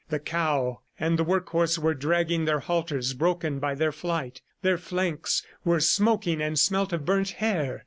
The cow and the work horse were dragging their halters broken by their flight. Their flanks were smoking and smelt of burnt hair.